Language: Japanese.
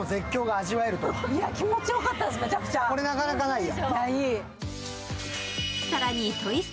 これなかなかないよ。